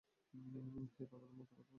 হেই, পাগলের মত কথা বলছো কেন?